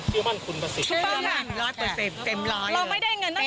เพียวมั่นคุณประสิทธิ์